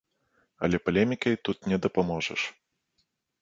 Але палемікай тут не дапаможаш.